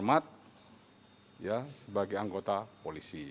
hormat sebagai anggota polisi